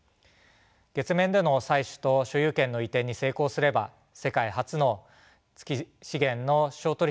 月面での採取と所有権の移転に成功すれば世界初の月資源の商取引となります。